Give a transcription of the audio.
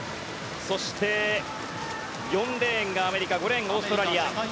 そして、４レーンがアメリカ５レーンがオーストラリア。